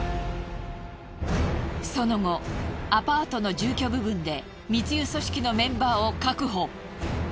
その後アパートの住居部分で密輸組織のメンバーを確保。